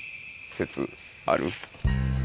説ある？